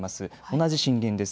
同じ震源です。